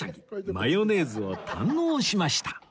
マヨネーズを堪能しました